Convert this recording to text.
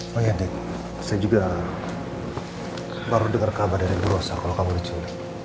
pak yadin saya juga baru dengar kabar dari luar usaha kalau kamu diculik